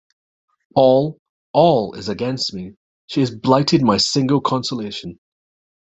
All, all is against me: she has blighted my single consolation.